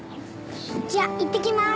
じゃあいってきます。